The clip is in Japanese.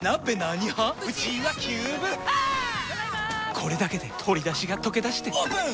これだけで鶏だしがとけだしてオープン！